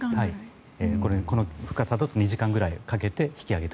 この深さだと２時間くらいかけて引き揚げる。